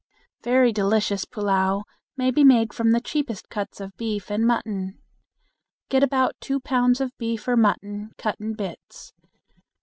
Very delicious pullao may be made from the cheapest cuts of beef and mutton. Get about two pounds of beef or mutton, cut in bits.